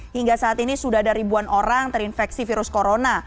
hingga saat ini sudah ada ribuan orang terinfeksi virus corona